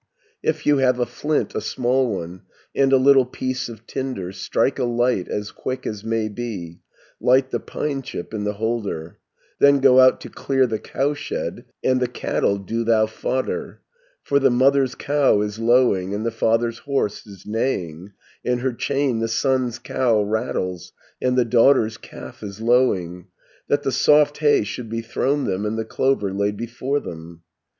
"If you have a flint, a small one, And a little piece of tinder, Strike a light as quick as may be, Light the pine chip in the holder, 140 Then go out to clear the cowshed, And the cattle do thou fodder, For the mother's cow is lowing, And the father's horse is neighing, And her chain the son's cow rattles, And the daughter's calf is lowing, That the soft hay should be thrown them, And the clover laid before them.